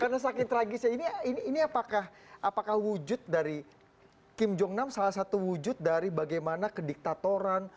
karena saking tragisnya ini apakah wujud dari kim jong nam salah satu wujud dari bagaimana kediktatoran